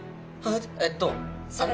えっとあの。